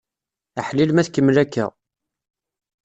Aḥlil ma tkemmel akka!